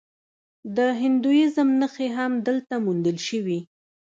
د هندویزم نښې هم دلته موندل شوي